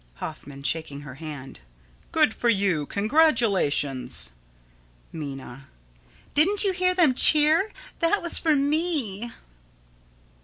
_] Hoffman: [Shaking her hand.] Good for you! Congratulations! Minna: Didn't you hear them cheer? That was for me!